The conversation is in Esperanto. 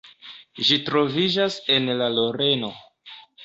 Ĝi troviĝas en la Loreno.